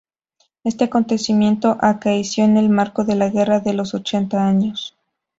Este acontecimiento acaeció en el marco de la Guerra de los Ochenta Años.